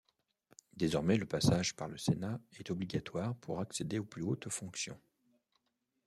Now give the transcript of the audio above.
Désormais le passage par le Sénat est obligatoire pour accéder aux plus hautes fonctions.